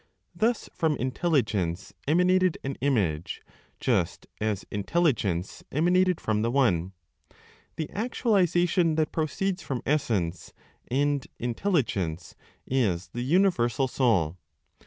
Thus from Intelligence emanated an image, just as Intelligence emanated from the One. The actualization that proceeds from Essence (and Intelligence) is the universal Soul.